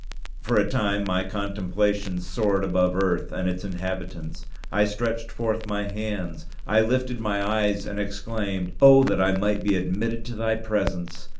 For a time my contemplations soared above earth and its inhabitants. I stretched forth my hands; I lifted my eyes, and exclaimed, "Oh, that I might be admitted to thy presence!